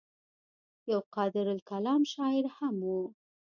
يو قادرالکلام شاعر هم وو